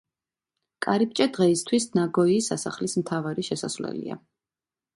კარიბჭე დღეისთვის ნაგოიის სასახლის მთავარი შესასვლელია.